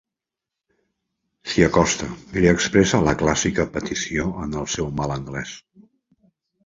S'hi acosta i li expressa la clàssica petició en el seu mal anglès.